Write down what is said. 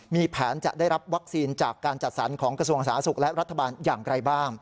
มีแผนจะได้รับวัคซีนจากการจัดสรรของกระทรวงสาธารณสุขและรัฐบาลอย่างไรบ้าง